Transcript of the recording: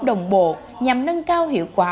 đồng bộ nhằm nâng cao hiệu quả